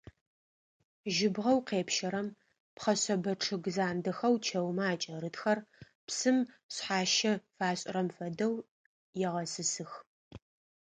Жьыбгъэу къепщэрэм пхъэшъэбэ чъыг зандэхэу чэумэ акӀэрытхэр, псым шъхьащэ фашӀырэм фэдэу, егъэсысых.